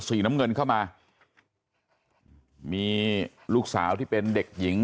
สีน้ำเงินเข้ามามีลูกสาวที่เป็นเด็กหญิง